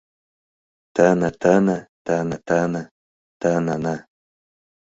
Тыны-тыны, тыны-тыны, тыныны.